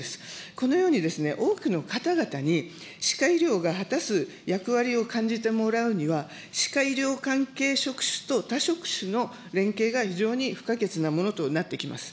このように、多くの方々に、歯科医療が果たす役割を感じてもらうには、歯科医療関係職種と他職種の連携が非常に不可欠なものとなってきます。